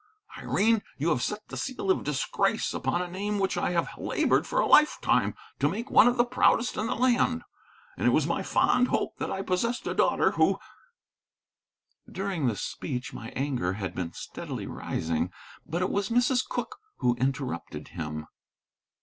Irene, you have set the seal of disgrace upon a name which I have labored for a lifetime to make one of the proudest in the land. And it was my fond hope that I possessed a daughter who " During this speech my anger had been steadily rising. But it was Mrs. Cooke who interrupted him.